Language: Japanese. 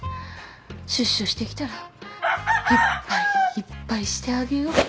出所してきたらいっぱいいっぱいしてあげよう。